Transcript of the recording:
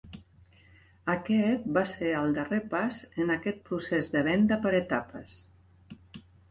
Aquest va ser el darrer pas en aquest procés de venda per etapes.